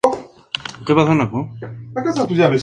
Ya en los cuarenta, marchó a Hollywood.